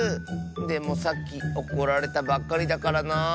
でもさっきおこられたばっかりだからなあ。